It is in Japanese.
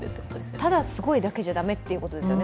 ただ、すごいだけじゃ駄目ということですよね。